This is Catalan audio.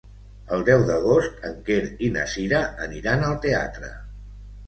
El deu d'agost en Quer i na Cira aniran al teatre.